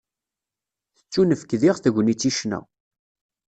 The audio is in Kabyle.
Tettunefk diɣ tegnit i ccna.